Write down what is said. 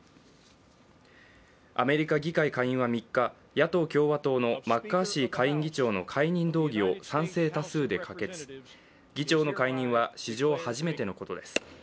アメリカ議会下院は３日、野党・共和党のマッカーシー下院議長の解任動議を賛成多数で可決議長の解任は史上初めてのことです。